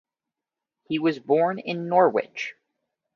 He was born at Norwich.